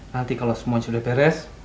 nanti kalau semuanya sudah beres